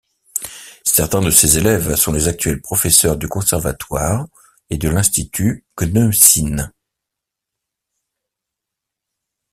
Certains de ses élèves sont les actuels professeurs du conservatoire et de l'Institut Gnessine.